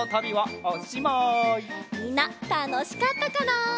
みんなたのしかったかな？